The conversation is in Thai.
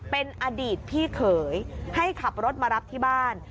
เป็นอดีตพี่เขยให้ขับรถมารับที่บ้าน